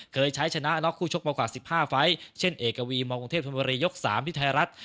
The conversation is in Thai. เคยใช้ชนะน็อกคู่ชกมากว่า๑๕ไฟล์เช่นเอกวีมกรุงเทพธนบุรียก๓ที่ไทยรัฐ